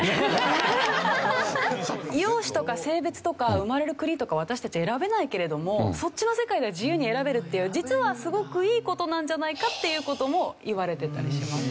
容姿とか性別とか生まれる国とか私たち選べないけれどもそっちの世界では自由に選べるっていう実はすごくいい事なんじゃないかっていう事もいわれてたりしますよね。